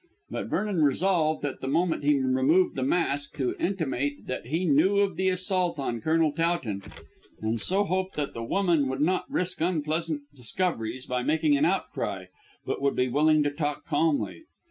But Vernon resolved at the moment he removed the mask to intimate that he knew of the assault on Colonel Towton, and so hoped that the woman would not risk unpleasant discoveries by making an outcry but would be willing to talk calmly.